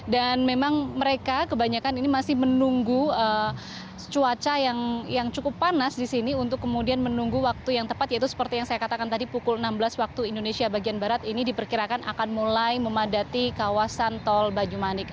dan memang mereka kebanyakan ini masih menunggu cuaca yang cukup panas di sini untuk kemudian menunggu waktu yang tepat yaitu seperti yang saya katakan tadi pukul enam belas waktu indonesia bagian barat ini diperkirakan akan mulai memadati kawasan tol banyumanik